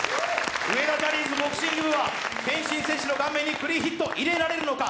上田ジャニーズボクシング部は天心選手の顔面にクリーンヒット入れられるのか。